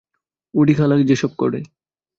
ওডি খালা যেসব করে?